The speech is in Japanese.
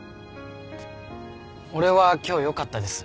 俺は今日よかったです。